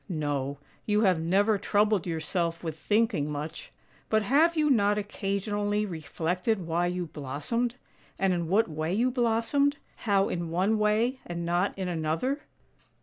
" No, you have never troubled yourself with thinking much. But have you not occasionally reflected why you blossomed, and in what way you blossomed — how in one way and not in another?